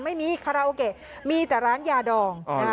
ไม่มีคาราโอเกะมีแต่ร้านยาดอง